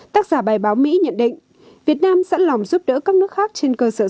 tác giả bài báo mỹ nhận định việt nam sẵn lòng giúp đỡ các nước khác trên cơ sở